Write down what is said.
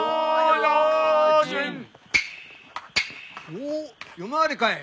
おっ夜回りかい？